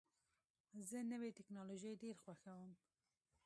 زه نوې ټکنالوژۍ ډېر خوښوم.